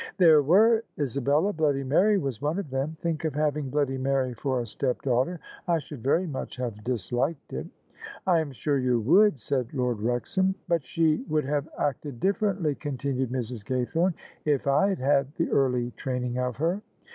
"There were, Isabella: Bloody Mary was one of them. Think of having Bloody Mary for a step daughter 1 I should very much have disliked it." " I am sure you would," said Lord Wrexham. " But she would have acted differently," continued Mrs. Gaythome, " if I had had the early training of her."